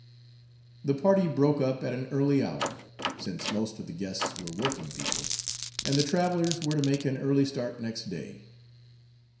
The party broke up at an early hour, since most of the guests were working people, and the travelers were to make an early start next day.